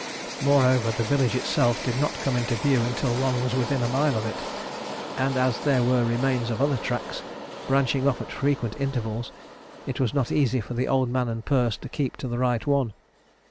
Moreover, the village itself did not come into view until one was within a mile of it, and as there were remains of other tracks branching off at frequent intervals, it was not easy for the Old Man and Perce to keep to the right one.